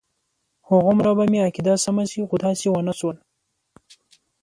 هغومره به مې عقیده سمه شي خو داسې ونه شول.